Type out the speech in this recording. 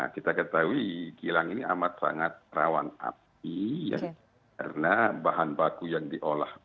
kita ketahui kilang ini amat sangat rawan api karena bahan baku yang diolah